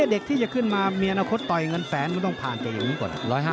นี่เด็กที่จะขึ้นมาเมียนาคตต่อยเงินแสนก็ต้องผ่านกันอยู่ก่อนนะ